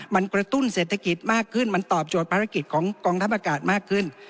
มันกระตุ้นเศรษฐกิจมากขึ้นมันตอบโจทย์ภารกิจของกองทัพอากาศมากขึ้น